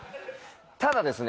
ただですね